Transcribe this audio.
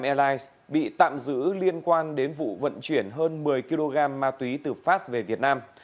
cục hải quan tp hcm bị tạm giữ liên quan đến vụ vận chuyển hơn một mươi kg ma túy từ pháp về việt nam